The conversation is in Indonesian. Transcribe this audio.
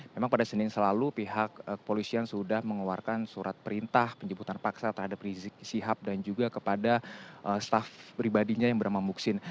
memang pada senin selalu pihak kepolisian sudah mengeluarkan surat perintah penjemputan paksa terhadap rizik sihab dan juga kepada staff pribadinya yang bernama muksin